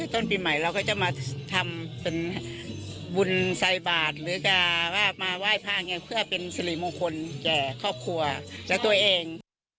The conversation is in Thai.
ต้นปีใหม่เราก็จะมาทำเป็นบุญใส่บาทหรือจะว่ามาไหว้พระเพื่อเป็นสิริมงคลแก่ครอบครัวและตัวเอง